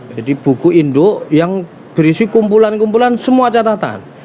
jadi buku induk yang berisi kumpulan kumpulan semua catatan